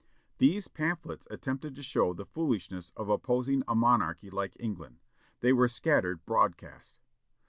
These pamphlets attempted to show the foolishness of opposing a monarchy like England. They were scattered broadcast.